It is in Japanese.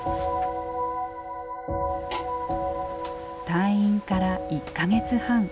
退院から１か月半。